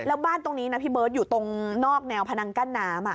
แล้วบ้านตรงนี้นะพี่เบิร์ตอยู่ตรงนอกแนวพนังกั้นน้ำ